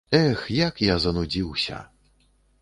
Эх, як я занудзіўся.